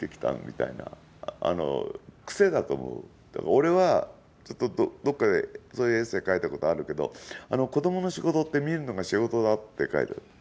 俺はどっかで、そういうエッセー書いたことあるけど子どもの仕事って見るのが仕事だって書いてる。